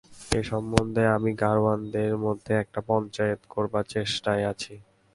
এ সম্বন্ধে আমি গাড়োয়ানদের মধ্যে একটা পঞ্চায়েত করবার চেষ্টায় আছি।